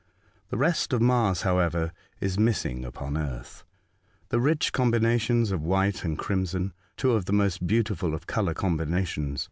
The red of Mars, however, is missing upon earth — the rich com binations of white and crimson — two of the most beautiful of colour combinations.